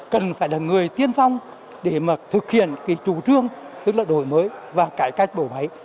cần phải là người tiên phong để mà thực hiện cái chủ trương tức là đổi mới và cải cách bộ máy